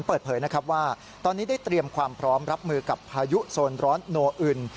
เปิดเผยนะครับว่าตอนนี้ได้เตรียมความพร้อมรับมือกับพายุโซนร้อนโนอึน